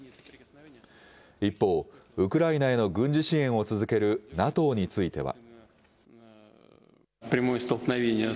一方、ウクライナへの軍事支援を続けるＮＡＴＯについては。